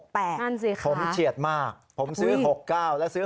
ผมเฉียดมากผมซื้อ๖๙แล้วซื้อ๖๗